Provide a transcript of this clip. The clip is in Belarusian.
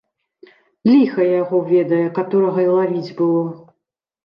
Ліха яго ведае, каторага й лавіць было!